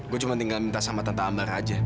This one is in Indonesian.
gue cuma tinggal minta sama tante ambar aja